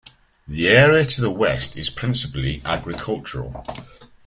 The area to the west is principally agricultural.